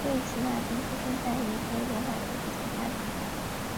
瑞奇马汀出生在一个罗马天主教的家庭并且在他的童年是位辅祭。